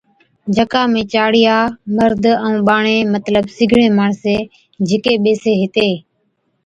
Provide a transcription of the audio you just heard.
جڪا ۾ چاڙِيا، مرد ائُون ٻاڙين مطلب سِگڙين ماڻسين جھِڪي ٻيسي ھِتين